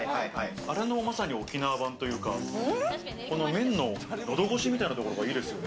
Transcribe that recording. あれのまさに沖縄版というか、麺ののどごしみたいなのがいいですよね。